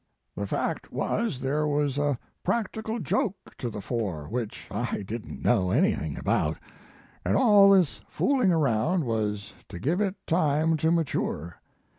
The fact was there was a practical joke to the fore, which I didn t know any thing about, and all this fooling around was to give it time to mature.